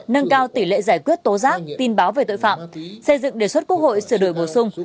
nâng cao tỷ lệ giải quyết tố giác tin báo về tội phạm xây dựng đề xuất quốc hội sửa đổi bổ sung